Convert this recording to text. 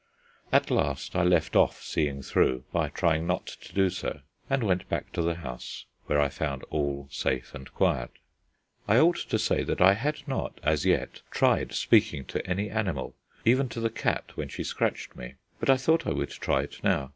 At last I left off seeing through, by trying not to do so, and went back to the house, where I found all safe and quiet. I ought to say that I had not as yet tried speaking to any animal, even to the cat when she scratched me, but I thought I would try it now.